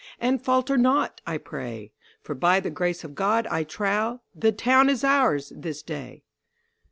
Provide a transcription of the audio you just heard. And falter not, I pray; For by the grace of God, I trow, The town is ours this day!